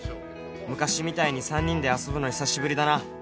「昔みたいに３人で遊ぶの久しぶりだな。